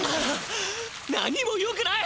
何もよくない！